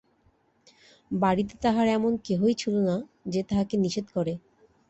বাড়িতে তাহার এমন কেহই ছিল না যে তাহাকে নিষেধ করে।